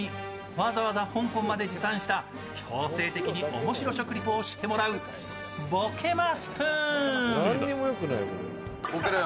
わざわざ香港まで持参した強制的に面白食リポをしてもらうボケますプーン。